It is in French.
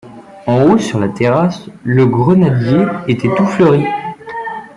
En haut, sur la terrasse, le grenadier était tout fleuri.